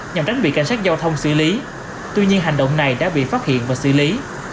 nhằm tránh bị cảnh sát giao thông xử lý tuy nhiên hành động này đã bị phát hiện và xử lý